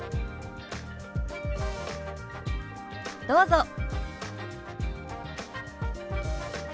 どうぞ。